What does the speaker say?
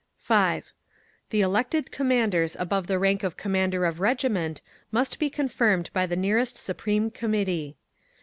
5. The elected commanders above the rank of commander of regiment must be confirmed by the nearest Supreme Committee.